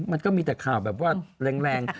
มันก็มีแต่ข่าวแบบว่าแรง